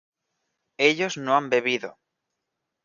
ellos no han bebido